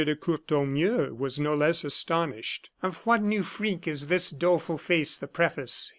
de Courtornieu was no less astonished. "Of what new freak is this doleful face the preface?"